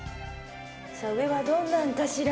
さあ上はどんなのかしら？